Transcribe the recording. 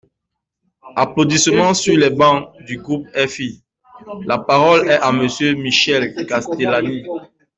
(Applaudissements sur les bancs du groupe FI.) La parole est à Monsieur Michel Castellani.